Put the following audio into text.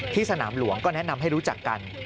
สนามหลวงก็แนะนำให้รู้จักกัน